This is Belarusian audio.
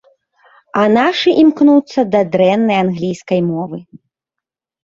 А нашы імкнуцца да дрэннай англійскай мовы.